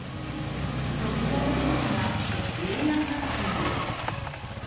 特徴の１つがＡＩマッチング。